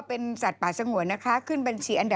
อุ้ยแต่หน้าเหมือนพี่นะ